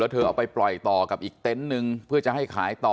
เธอเอาไปปล่อยต่อกับอีกเต็นต์นึงเพื่อจะให้ขายต่อ